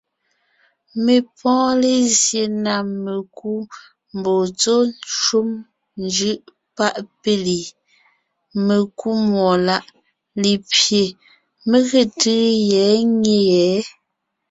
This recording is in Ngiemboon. Mé pɔ́ɔn lézye na mekú mbɔɔ tsɔ́ shúm njʉ́ʼ páʼ péli, mekúmúɔláʼ lépye, mé ge tʉ́ʉ yɛ̌ pɔ̌ yɛ̌.